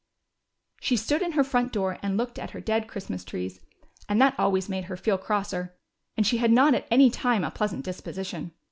She stood in her front door and looked at her dead Christmas trees, and that always made her feel crosser, and she had not at any time a pleasant disposition.